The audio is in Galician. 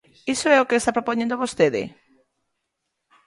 ¿Iso é o que está propoñendo vostede?